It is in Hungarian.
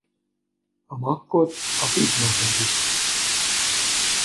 A makkot a fityma fedi.